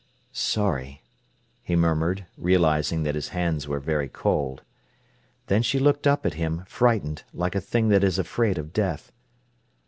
"Sorry!" he murmured, realising that his hands were very cold. Then she looked up at him, frightened, like a thing that is afraid of death.